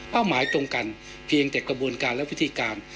หมายตรงกันเพียงแต่กระบวนการและวิธีการ